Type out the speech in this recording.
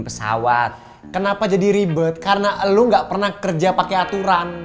pesawat kenapa jadi ribet karena lu nggak pernah kerja pakai aturan